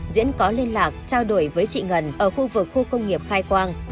diễn có liên lạc trao đổi với chị ngân ở khu vực khu công nghiệp khai quang